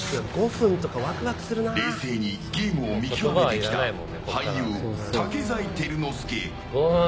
冷静にゲームを見極めてきた俳優・竹財輝之助。